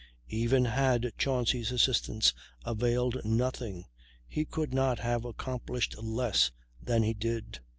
Even had Chauncy's assistance availed nothing, he could not have accomplished less than he did.